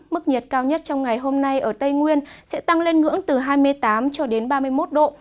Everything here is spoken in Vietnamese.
mức nhiệt cao nhất trong ngày hôm nay ở tây nguyên sẽ tăng lên ngưỡng từ hai mươi tám cho đến ba mươi một độ